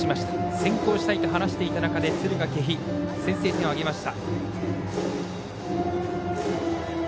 先攻したいと話していた中で敦賀気比、先制点を挙げました。